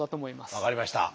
分かりました。